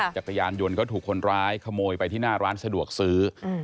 จักรยานยนต์ก็ถูกคนร้ายขโมยไปที่หน้าร้านสะดวกซื้อ